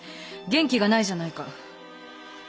元気がないじゃないか。